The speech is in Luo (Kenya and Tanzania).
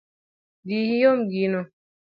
Dhi iom gino